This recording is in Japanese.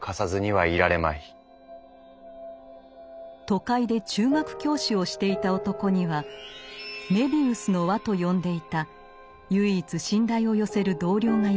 都会で中学教師をしていた男には「メビウスの輪」と呼んでいた唯一信頼を寄せる同僚がいました。